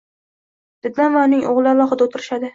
Dadam va uning oʻgʻli alohida oʻtirishadi.